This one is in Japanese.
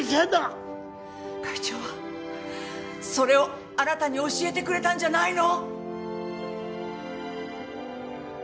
会長はそれをあなたに教えてくれたんじゃないの？